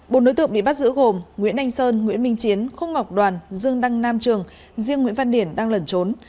bốn đối tượng bị bắt giữ gồm nguyễn anh sơn nguyễn minh chiến khúc ngọc đoàn dương đăng nam trường riêng nguyễn văn điển đang lẩn trốn